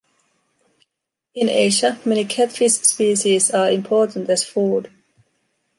In Asia, many catfish species are important as food.